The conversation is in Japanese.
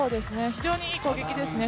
非常にいい攻撃ですね。